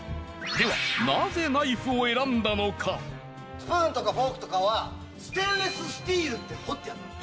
スプーンとかフォークとかはステンレススチールって彫ってある。